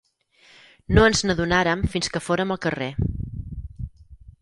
No ens n'adonàrem fins que fórem al carrer.